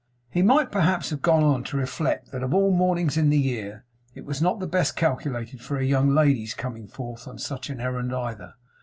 He might perhaps have gone on to reflect that of all mornings in the year, it was not the best calculated for a young lady's coming forth on such an errand, either.